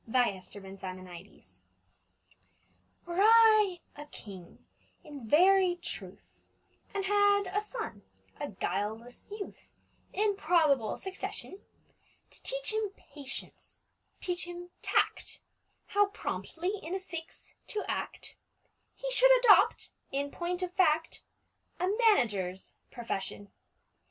A MANAGER'S PERPLEXITIES WERE I a king in very truth, And had a son—a guileless youth— In probable succession; To teach him patience, teach him tact, How promptly in a fix to act, He should adopt, in point of fact, A manager's profession.